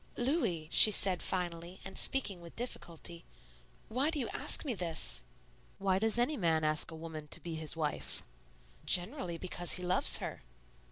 "Louis," she said finally and speaking with difficulty, "why do you ask me this?" "Why does any man ask a woman to be his wife?" "Generally because he loves her."